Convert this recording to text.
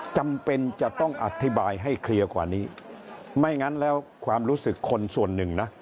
จำเป็นจะต้องอธิบายให้เคลียร์กว่านี้ไม่งั้นแล้วความรู้สึกคนส่วนหนึ่งนะ